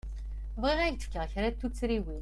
Bɣiɣ ad k-d-fkeɣ kra n tuttriwin.